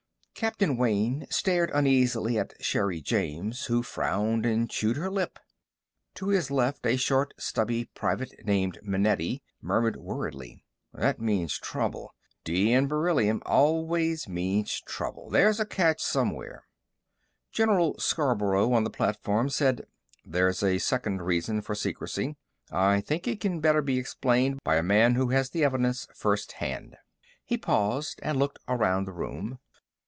Captain Wayne stared uneasily at Sherri James, who frowned and chewed her lip. To his left, a short, stubby private named Manetti murmured worriedly, "That means trouble. D N beryllium always means trouble. There's a catch somewhere." General Scarborough, on the platform, said, "There's a second reason for secrecy. I think it can better be explained by a man who has the evidence first hand." He paused and looked around the room.